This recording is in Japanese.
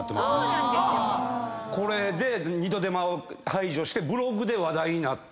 これで二度手間を排除してブログで話題になって。